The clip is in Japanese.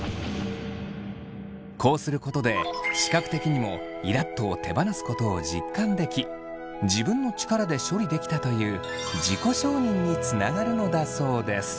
こうすることで視覚的にも「イラっと」を手放すことを実感でき自分の力で処理できたという自己承認につながるのだそうです。